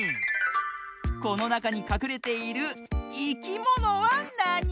このなかにかくれているいきものはなに？